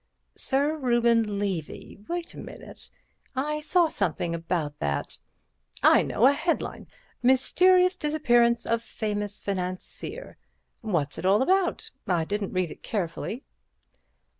"Sir Reuben Levy? Wait a minute, I saw something about that. I know! A headline: 'Mysterious disappearance of famous financier.' What's it all about? I didn't read it carefully."